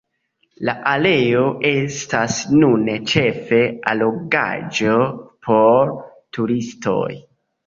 La areo estas nune ĉefe allogaĵo por turistoj.